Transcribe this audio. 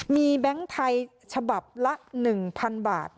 มีแบงค์ไทยฉบับละ๑๐๐๐บาท